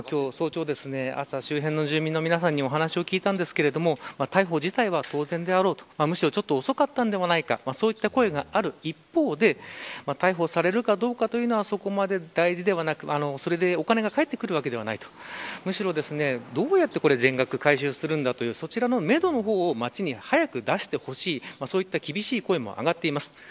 朝、周辺の住民の皆さまにお話を聞いたんですが逮捕自体は当然であろうとむしろちょっと遅かったんではないかという声がある一方で逮捕されるかどうかというのはそこまで大事ではなくそれでお金が返ってくるわけではないむしろ、どうやってこれ全額回収するんだというそちらのめどの方を町に早く出してほしいそういった厳しい声も上がっています。